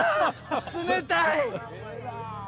冷たい！